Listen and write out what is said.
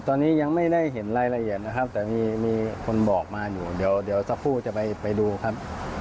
ตอนนี้ยังไม่ได้เห็นรายละเอียดนะครับแต่มีคนบอกมาอยู่เดี๋ยวสักครู่จะไปดูครับ